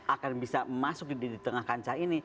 akan bisa masuk di tengah kancah ini